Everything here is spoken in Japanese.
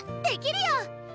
できるよ！